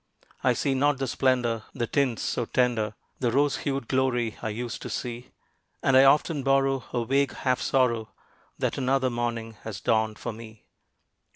I see not the splendor, the tints so tender, The rose hued glory I used to see; And I often borrow a vague half sorrow That another morning has dawned for me.